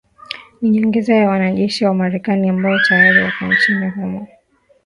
ni nyongeza ya wanajeshi wa Marekani ambao tayari wako nchini humo